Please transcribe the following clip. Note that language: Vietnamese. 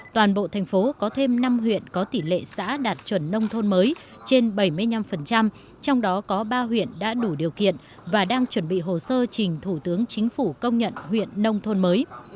toàn bộ thành phố có thêm năm huyện có tỷ lệ xã đạt chuẩn nông thôn mới trên bảy mươi năm trong đó có ba huyện đã đủ điều kiện và đang chuẩn bị hồ sơ trình thủ tướng chính phủ công nhận huyện nông thôn mới